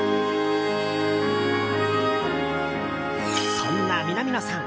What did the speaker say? そんな南野さん